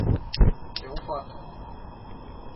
É um fato.